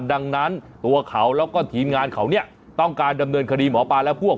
ดังนั้นตัวเขาแล้วก็ทีมงานเขาเนี่ยต้องการดำเนินคดีหมอปลาและพวก